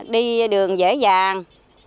đi đường dễ dàng